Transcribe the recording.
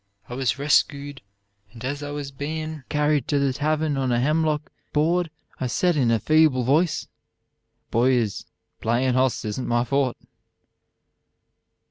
I was rescood, and as I was bein carried to the tavern on a hemlock bored I sed in a feeble voice, 'Boys, playin' hoss isn't my Fort.'